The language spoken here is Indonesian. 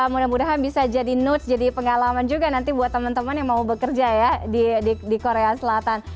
mudah mudahan bisa jadi notes jadi pengalaman juga nanti buat teman teman yang mau bekerja ya di korea selatan